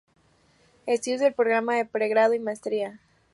Estudios del programa de pregrado y maestría.